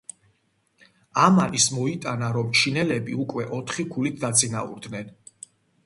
ამან ის მოიტანა რომ, ჩინელები უკვე ოთხი ქულით დაწინაურდნენ.